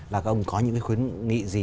là các ông có những khuyến nghị gì